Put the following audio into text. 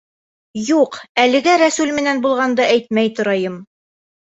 Юҡ, әлегә Рәсүл менән булғанды әйтмәй торайым.